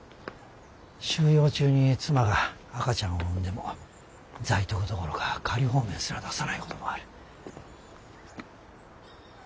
収容中に妻が赤ちゃんを産んでもザイトクどころか仮放免すら出さないこともある。